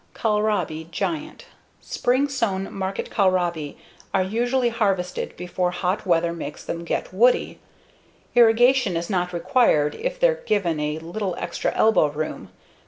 Kohlrabi (Giant) Spring sown market kohlrabi are usually harvested before hot weather makes them get woody. Irrigation is not required if they're given a little extra elbow room.